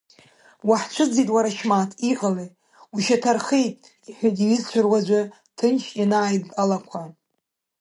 Уаҳцәыӡӡеит уара Шьмаҭ, иҟалеи ушьаҭарахеит, – иҳәеит иҩызцәа руаӡәы ҭынч ианааидтәалақәа.